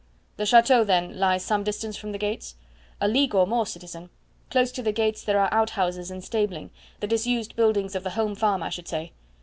"The chateau, then, lies some distance from the gates?" "A league or more, citizen. Close to the gates there are outhouses and stabling, the disused buildings of the home farm, I should say."